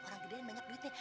orang gede yang banyak duitnya